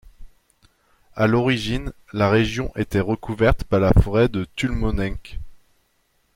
À l'origine, la région était recouverte par la forêt de Tulmonenc.